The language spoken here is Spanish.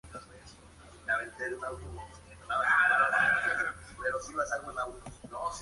Tiene un aire Oriental inconfundible.